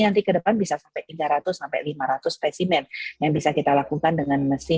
nah ini nanti ke depan bisa sampai tiga ratus hingga lima ratus spesimen yang bisa kita lakukan dengan mesin yang baru ini